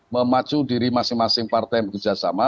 memacu diri masing masing partai yang bekerja sama